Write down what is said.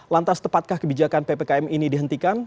lantas tepatkah kebijakan ppkm ini dihentikan